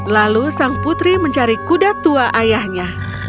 lalu sang putri mencari kuda tua ayahnya